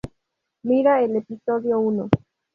Mira el episodio uno.